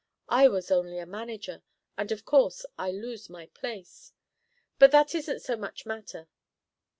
I was only a manager, and of course I lose my place. But that isn't so much matter.